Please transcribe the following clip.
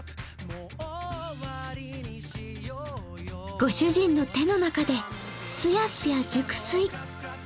ご主人の手の中ですやすや熟睡。